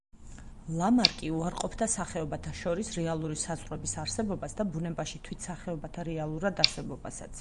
ლამარკი უარყოფდა სახეობათა შორის რეალური საზღვრების არსებობას და ბუნებაში თვით სახეობათა რეალურად არსებობასაც.